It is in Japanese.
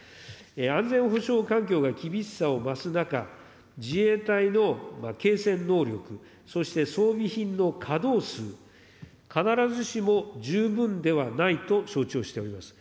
安全保障環境が厳しさを増す中、自衛隊の継戦能力、そして装備品の稼働数、必ずしも十分ではないと承知をしております。